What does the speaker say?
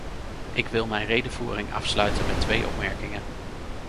Ik wil mijn redevoering afsluiten met twee opmerkingen.